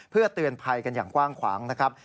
เพื่อเตือนภัยกันอย่างกว้างขวางนะครับ